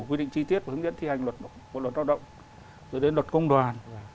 quy định chi tiết và hướng dẫn thi hành luật bộ luật lao động rồi đến luật công đoàn